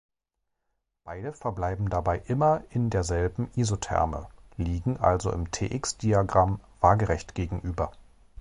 Beide verbleiben dabei immer in derselben Isotherme, liegen also im T-x-Diagramm waagerecht gegenüber.